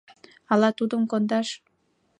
Ала тудым кондаш.